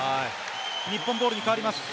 日本ボールに変わります。